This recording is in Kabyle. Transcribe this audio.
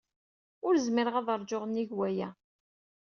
Ur zmireɣ ad ṛjuɣ nnig waya.